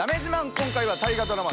今回は大河ドラマ